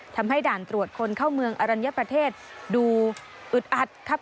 ทำให้ด่านตรวจคนเข้าเมืองอรรณยพระเทศดูอึดอัดครับ